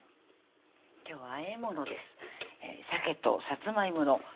今日は和え物です「鮭とサツマイモの」